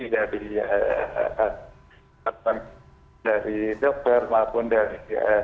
dari dokter maupun dari